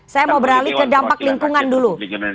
saya mau beralih ke dampak lingkungan dulu